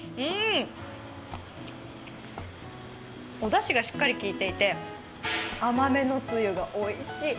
おだしがしっかりきいていて甘めのつゆがおいしい。